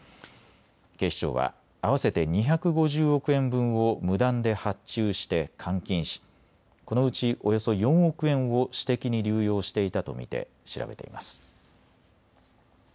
警視庁は合わせて２５０億円分を無断で発注して換金しこのうちおよそ４億円を私的に流用していたと見て調べています。